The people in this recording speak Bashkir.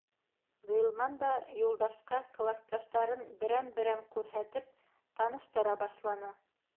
Ғилман да Юлдашҡа класташтарын берәм-берәм күрһәтеп таныштыра башланы: